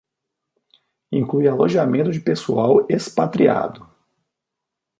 Inclui alojamento de pessoal expatriado.